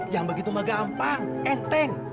yang begitu mah gampang enteng